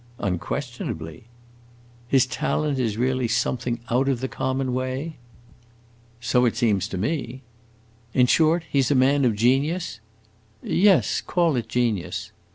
"Unquestionably." "His talent is really something out of the common way?" "So it seems to me." "In short, he 's a man of genius?" "Yes, call it genius."